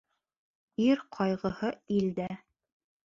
Ир ҡайғыһы илдә.